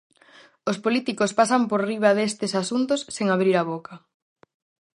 Os políticos pasan por riba destes asuntos sen abrir a boca.